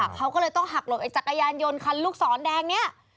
เขาก็เลยต้องหักหลบไอจักรยานยนต์คันลูกศรแดงนี้